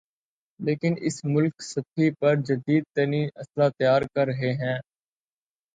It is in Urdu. لیکن اب ملک سطحی پر جدیدترین اسلحہ تیار کررہے ہیں